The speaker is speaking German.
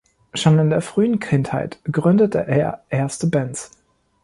Schon in der frühen Kindheit gründete er erste Bands.